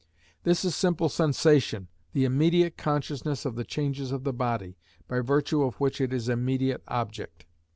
This is simple sensation—the immediate consciousness of the changes of the body, by virtue of which it is immediate object.